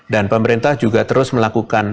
dan pemerintah juga terus melakukan